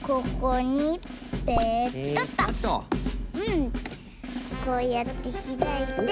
うんこうやってひらいて。